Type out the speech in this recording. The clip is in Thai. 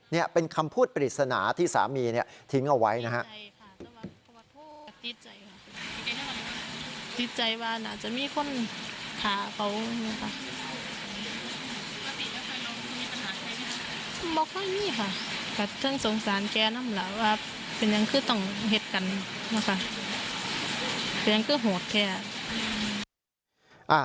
นี่เป็นคำพูดปริศนาที่สามีทิ้งเอาไว้นะครับ